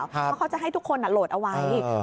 เพราะเขาจะให้ทุกคนโหลดเอาไว้